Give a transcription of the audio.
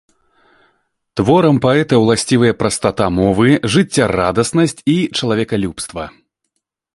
Творам паэта ўласцівыя прастата мовы, жыццярадаснасць і чалавекалюбства.